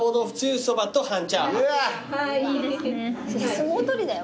相撲取りだよ